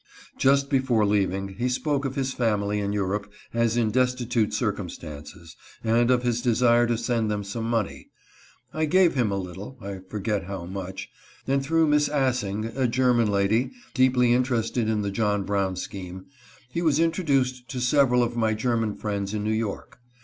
Just before leaving, he spoke of his family in Europe as in destitute circumstances, and of his desire to send them some money. I gave him a little — I forget how much — and through Miss Assing, a German SHIELDS GREEN. 387 lady, deeply interested in the John Brown scheme, he was introduced to several of my German friends in New York.